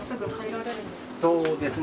そうですね。